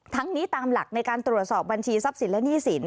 ทั้งนี้ตามหลักในการตรวจสอบบัญชีทรัพย์สินและหนี้สิน